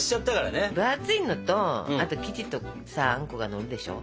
分厚いのとあと生地とかさあんこがのるでしょ？